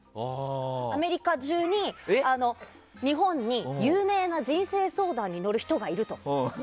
アメリカ中に日本に有名な人生相談に乗る人がいると。